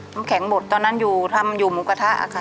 น้ำแข็งบดตอนนั้นทำมาอยู่หมูกระทะ